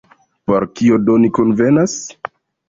Por kio do ni kunvenas?